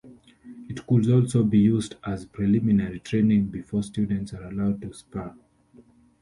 It could also be used as preliminary training before students are allowed to spar.